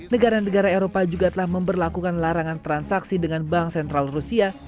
negara negara eropa juga telah memperlakukan larangan transaksi dengan bank sentral rusia